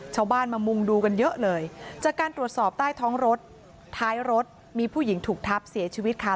ชาวบ้านมามุงดูกันเยอะเลยจากการตรวจสอบใต้ท้องรถท้ายรถมีผู้หญิงถูกทับเสียชีวิตค่ะ